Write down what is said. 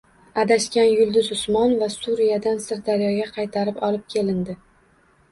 Adashgan Yulduz Usmonova – Suriyadan Sirdaryoga qaytarib olib kelindi